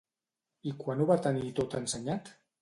I quan ho va tenir tot ensenyat?